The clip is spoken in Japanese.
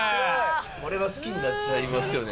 これは好きになっちゃいますよね